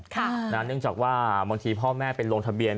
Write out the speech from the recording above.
เนื่องจากว่าบางทีพ่อแม่ไปลงทะเบียน